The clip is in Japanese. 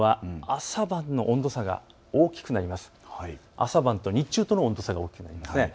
朝晩と日中との温度差が大きくなるんですね。